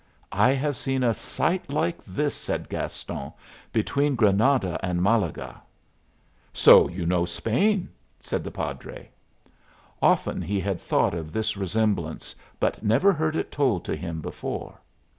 "I have seen a sight like this," said Gaston, "between Granada and Malaga." "So you know Spain!" said the padre. Often he had thought of this resemblance, but never heard it told to him before.